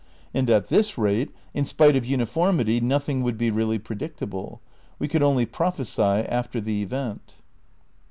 And at this rate, in spite of uni formity, nothing would be really predictable. We could only prophesy after the event.